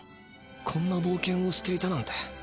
こんなぼうけんをしていたなんて。